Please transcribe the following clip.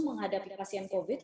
menghadapi pasien covid